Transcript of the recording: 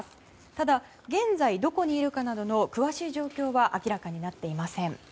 ただ、現在どこにいるかなどの詳しい状況は明らかになっていません。